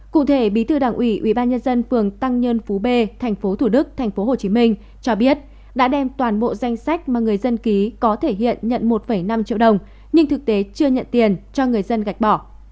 cụ thể bí thư đảng ủy ubnd phường tăng nhân phú b thành phố thủ đức thành phố hồ chí minh cho biết đã đem toàn bộ danh sách mà người dân ký có thể hiện nhận một năm triệu đồng nhưng thực tế chưa nhận tiền cho người dân gạch bỏ